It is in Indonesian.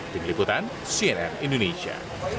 dikiputan cnn indonesia